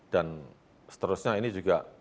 dan seterusnya ini juga